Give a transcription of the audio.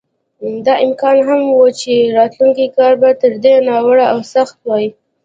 دا امکان هم و چې راتلونکی کال به تر دې ناوړه او سخت وای.